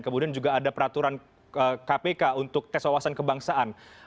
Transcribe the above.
kemudian juga ada peraturan kpk untuk tes wawasan kebangsaan